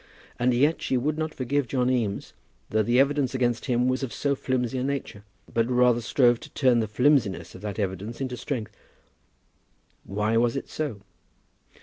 And yet she would not forgive John Eames, though the evidence against him was of so flimsy a nature, but rather strove to turn the flimsiness of that evidence into strength! Why was it so?